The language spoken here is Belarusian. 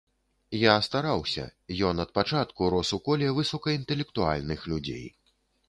Я стараўся, ён ад пачатку рос ў коле высокаінтэлектуальных людзей.